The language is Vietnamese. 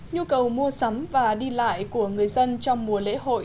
nhu cầu mua sắm và đi lại của người dân trong mùa lễ hội